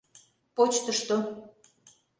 ПОЧТЫШТО